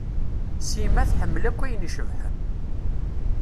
Sima tḥemmel akk ayen icebḥen.